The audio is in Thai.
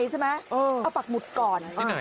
แล้วก็ให้น้ำจากบ้านเขาลงคลอมผ่านที่สุดท้าย